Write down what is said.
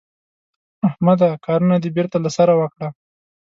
احمده کارونه دې بېرته له سره وکړه.